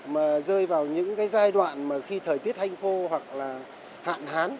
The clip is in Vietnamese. mà rơi vào những cái giai đoạn mà khi thời tiết hanh khô hoặc là hạn hán